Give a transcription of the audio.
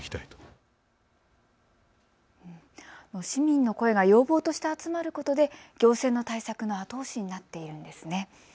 市民の声が要望として集まることで行政の対策の後押しになっているんですね。